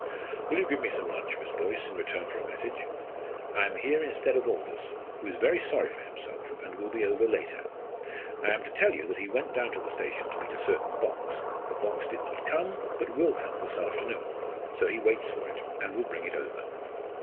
"Will you give me some lunch, Miss Boyce, in return for a message? I am here instead of Aldous, who is very sorry for himself, and will be over later. I am to tell you that he went down to the station to meet a certain box. The box did not come, but will come this afternoon; so he waits for it, and will bring it over."